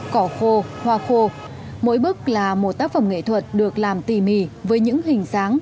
cỏ khô hoa khô mỗi bức là một tác phẩm nghệ thuật được làm tỉ mỉ với những hình dáng